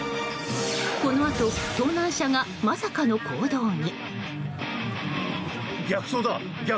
このあと、盗難車がまさかの行動に。